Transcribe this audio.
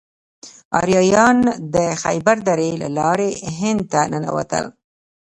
آریایان د خیبر درې له لارې هند ته ننوتل.